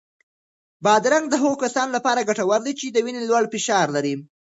بادرنګ د هغو کسانو لپاره ګټور دی چې د وینې لوړ فشار لري.